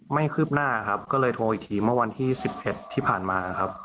คืบหน้าครับก็เลยโทรอีกทีเมื่อวันที่๑๑ที่ผ่านมาครับ